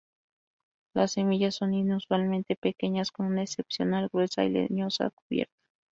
Las semillas son inusualmente pequeñas, con una excepcionalmente gruesa y leñosa cubierta.